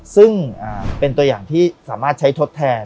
ซึ่งเป็นตัวอย่างที่สามารถใช้ทดแทน